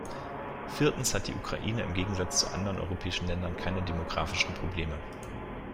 Viertens hat die Ukraine im Gegensatz zu anderen europäischen Ländern keine demografischen Probleme.